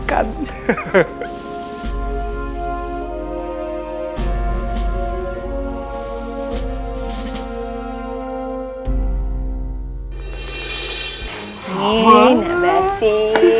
jadi anak juragan bisa aku pilih